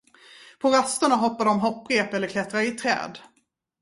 På rasterna hoppar de hopprep eller klättrar i träd.